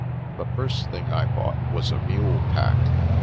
The first thing I bought was a mule pack.